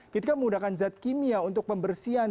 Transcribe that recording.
ketika menggunakan zat kimia untuk pembersihan